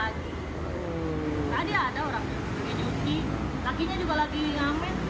tadi ada orang yang menyuci lakinya juga lagi ngamen